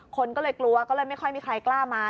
คนก็เลยกลัวก็เลยไม่ค่อยมีใครกล้ามา